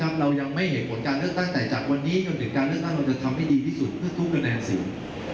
พร้อมว่าในการเลือกตั้งเราจะทำให้ดีที่สุดทุกกระแบนสิ่ง